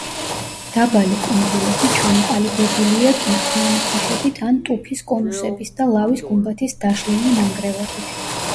დაბალი კუნძულები ჩამოყალიბებულია კირქვიანი ქვიშებით ან ტუფის კონუსების და ლავის გუმბათის დაშლილი ნანგრევებით.